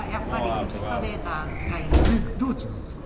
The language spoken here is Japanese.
どう違うんですか？